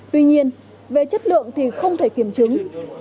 tuy nhiên về chất lượng thì không thể kiểm chứng